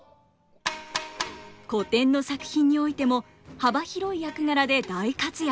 古典の作品においても幅広い役柄で大活躍。